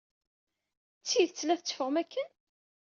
D tidet la tetteffɣem akken?